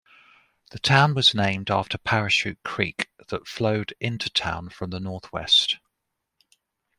The town was named after Parachute Creek, that flowed into town from the northwest.